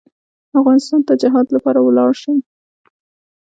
افغانستان ته جهاد لپاره ولاړ شم.